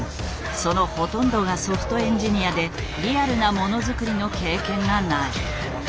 そのほとんどがソフトエンジニアでリアルなものづくりの経験がない。